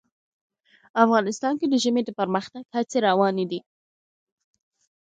افغانستان کې د ژمی د پرمختګ هڅې روانې دي.